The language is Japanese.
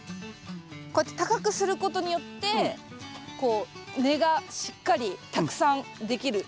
こうやって高くすることによってこう根がしっかりたくさんできるということですか。